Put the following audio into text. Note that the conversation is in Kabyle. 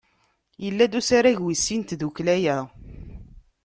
Yella-d usarag wis sin n tdukkla-a.